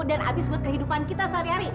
dan abis buat kehidupan kita sehari hari